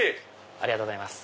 ありがとうございます。